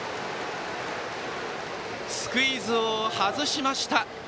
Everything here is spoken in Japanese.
スクイズを外しました。